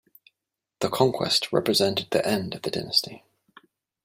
The conquest represented the end of the dynasty.